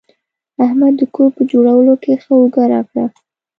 احمد د کور په جوړولو کې ښه اوږه راکړه.